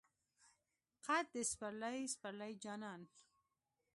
قد د سپرلی، سپرلی جانان